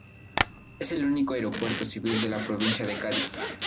Es el único aeropuerto civil de la provincia de Cádiz.